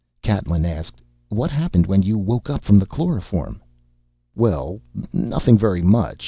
Catlin asked, "What happened when you woke up from the chloroform?" "Well, nothing very much.